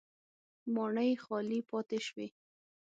ماڼۍ خالي پاتې شوې.